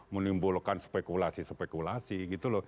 menimbulkan spekulasi spekulasi gitu loh